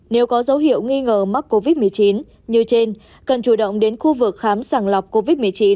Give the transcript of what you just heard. nếu có dấu hiệu nghi ngờ mắc covid một mươi chín như trên cần chủ động đến khu vực khám sàng lọc covid một mươi chín